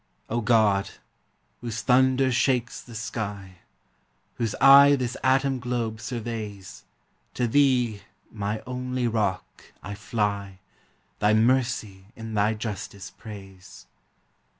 O God, whose thunder shakes the sky, Whose eye this atom globe surveys, To thee, my only rock, I fly, Thy mercy in thy justice praise.